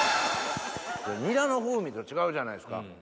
ニラの風味と違うじゃないですか。